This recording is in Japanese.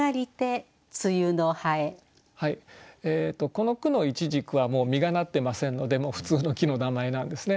この句の「無花果」は実がなってませんので普通の木の名前なんですね。